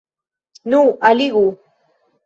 Nu, alligu!